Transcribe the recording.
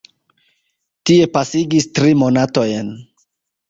Tie pasigis tri monatojn.